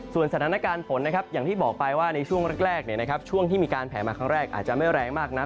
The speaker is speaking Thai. สถานการณ์ฝนนะครับอย่างที่บอกไปว่าในช่วงแรกช่วงที่มีการแผลมาครั้งแรกอาจจะไม่แรงมากนัก